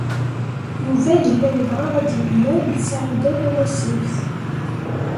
Yuba yella yebɣa ad yemlal d Saɛida Tawasift.